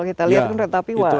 kita lihat kan kereta api wang